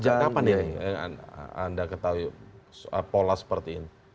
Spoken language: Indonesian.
sejak kapan ini anda ketahui pola seperti ini